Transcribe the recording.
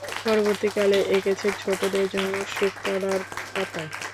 পরবর্তীকালে এঁকেছেন ছোটদের জন্য ‘শুকতারা’র পাতায়।